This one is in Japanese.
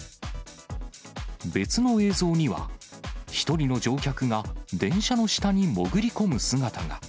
別の映像には、一人の乗客が電車の下に潜り込む姿が。